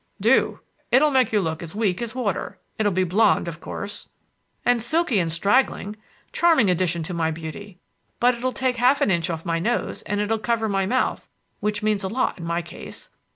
"Do. It'll make you look as weak as water. It'll be blonde, of course." "And silky and straggling. Charming addition to my beauty. But it'll take half an inch off my nose, and it'll cover my mouth, which means a lot in my case.